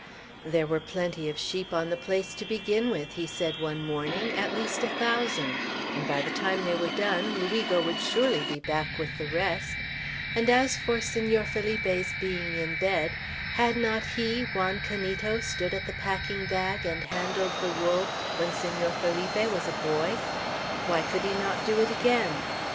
"There were plenty of sheep on the place to begin with," he said one morning, "at least a thousand;" and by the time they were done, Luigo would surely be back with the rest; and as for Senor Felipe's being in bed, had not he, Juan Canito, stood at the packing bag, and handled the wool, when Senor Felipe was a boy? Why could he not do it again?